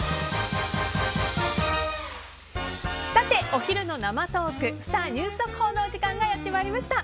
お昼の生トークスター☆ニュース速報のお時間がやってまいりました。